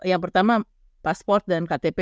yang pertama pasport dan ktp